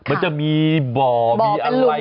มันจะมีบ่อมีอะไร